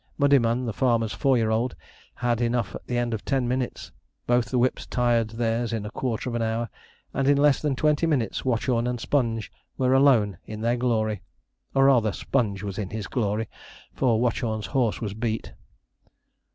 Muddyman, the farmer's four year old, had enough at the end of ten minutes; both the whips tired theirs in a quarter of an hour; and in less than twenty minutes Watchorn and Sponge were alone in their glory, or rather Sponge was in his glory, for Watchorn's horse was beat.